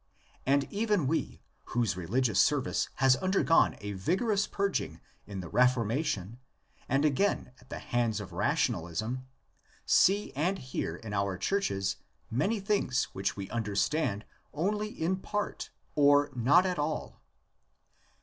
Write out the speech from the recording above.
And even we, whose religious service has undergone a vigorous purging in the Reformation and again at the hands of rationalism, see and hear in our churches many things which we understand only in part or not at all.